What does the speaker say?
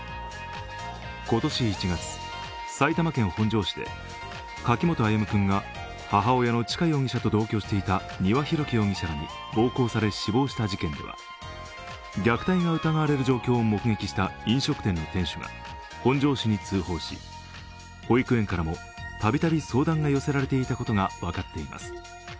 今年１月、埼玉県本庄市で柿本歩夢君が母親の柿本知香容疑者と同居していた男に丹羽洋樹容疑者に暴行され死亡した事件では虐待が疑われる状況を目撃した飲食店の店主が飲食店の店主が本庄市に通報し、保育園からもたびたび相談が寄せられていたことが分かっています。